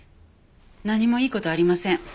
何もいい事はありません。